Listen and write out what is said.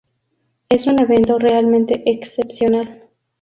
Es un evento realmente excepcional.